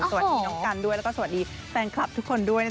สวัสดีน้องกันด้วยแล้วก็สวัสดีแฟนคลับทุกคนด้วยนะคะ